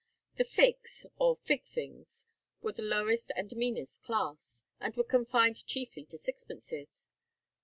The figs, or fig things, were the lowest and meanest class, and was confined chiefly to sixpences.